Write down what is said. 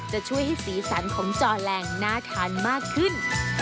จะช่วยให้สีสันของจอแรงน่าทานมากขึ้น